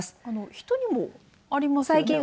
人にもありますよね。